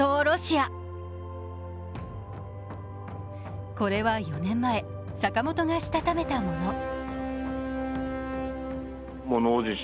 ロシア、これは４年前、坂本がしたためたもの。